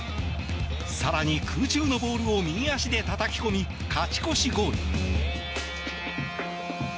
更に、空中のボールを右足でたたき込み勝ち越しゴール。